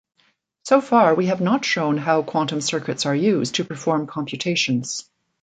So far we have not shown how quantum circuits are used to perform computations.